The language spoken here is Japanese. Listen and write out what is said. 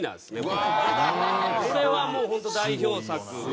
これはもう本当代表作。